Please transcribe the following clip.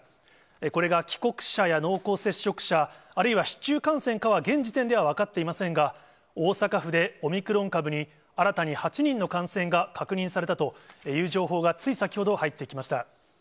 これが帰国者や濃厚接触者、あるいは市中感染かは、現時点では分かっていませんが、大阪府でオミクロン株に、新たに８人の感染が確認されたという情報がつい先ほど入ってきました。